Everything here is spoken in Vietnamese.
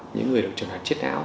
những người được trở thành chết não